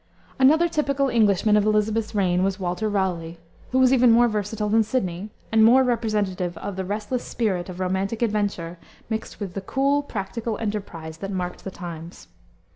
Another typical Englishman of Elisabeth's reign was Walter Raleigh, who was even more versatile than Sidney, and more representative of the restless spirit of romantic adventure, mixed with cool, practical enterprise that marked the times.